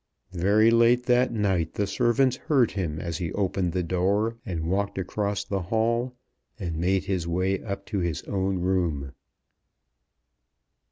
Very late that night the servants heard him as he opened the door and walked across the hall, and made his way up to his own room.